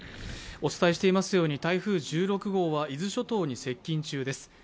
お伝えしていますように台風１６号は伊豆諸島に接近中です。